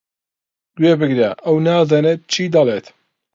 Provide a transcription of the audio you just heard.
گوێبگرە، ئەو نازانێت چی دەڵێت.